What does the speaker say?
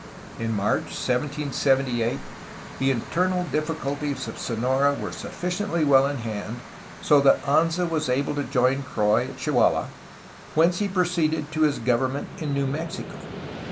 In March 1778 the internal difficulties of Sonora were suffici ently well in hand so that Anza was able to join Croix at Chihuahua, whence he proceeded to his government in New Mexico.